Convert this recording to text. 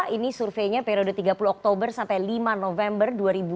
ini surveinya periode tiga puluh oktober sampai lima november dua ribu dua puluh